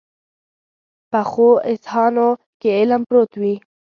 پخو اذهانو کې علم پروت وي